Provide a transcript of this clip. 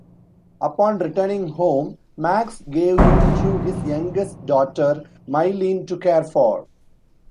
Upon returning home, Max gave him to his youngest daughter, Mylene, to care for.